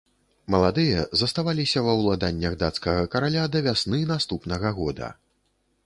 Маладыя заставаліся ва ўладаннях дацкага караля да вясны наступнага года.